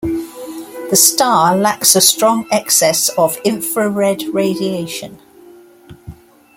The star lacks a strong excess of infrared radiation.